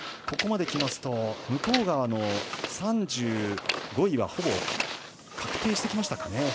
ここまできますと向川の３５位はほぼ確定してきましたかね。